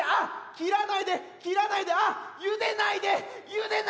切らないで切らないでああゆでないでゆでないで！